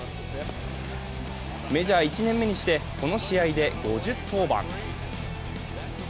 メジャー１年目にして、この試合で５０登板。